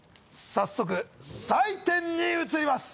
早速採点に移ります